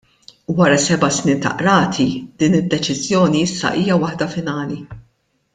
Wara seba' snin ta' qrati, din id-deċiżjoni issa hija waħda finali.